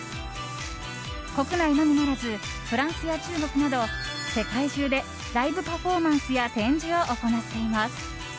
国内のみならずフランスや中国など世界中でライブパフォーマンスや展示を行っています。